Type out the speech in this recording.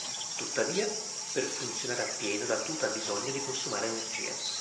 Tuttavia, per funzionare appieno la tuta ha bisogno di consumare energia.